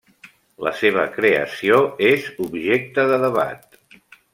La seva creació és objecte de debat.